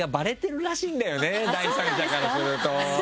第三者からすると。